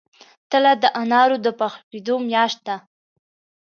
تله د انارو د پاخه کیدو میاشت ده.